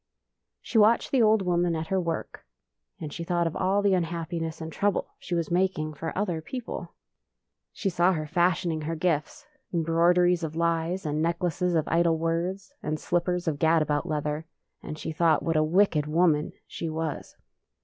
She watched the old woman at her work, and she thought of all the unhappiness and trouble she was making for other people. [ 27 ] FAVORITE FAIRY TALES RETOLD She saw her fashioning her gifts — embroid eries of lies, and necldaces of idle words, and slippers of gad about leather — and she thought what a wicked woman she was.